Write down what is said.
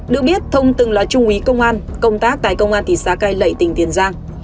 được biết thông từng là trung úy công an công tác tại công an thị xá cây lệ tỉnh tiền giang